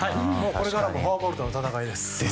これからはフォアボールとの戦いです。